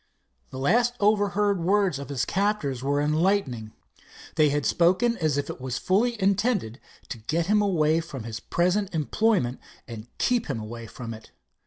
The last overheard words of his captors were enlightening. They had spoken as if it was fully intended to get him away from his present pleasant employment and keep him away from it.